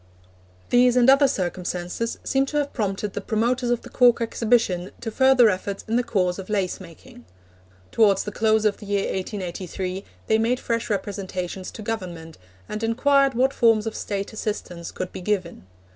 These and other circumstances seem to have prompted the promoters of the Cork Exhibition to further efforts in the cause of lace making. Towards the close of the year 1883 they made fresh representations to Government, and inquired what forms of State assistance could be given.